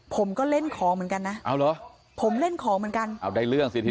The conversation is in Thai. ผมก็เล่นของเหมือนกันนะผมเล่นของเหมือนกัน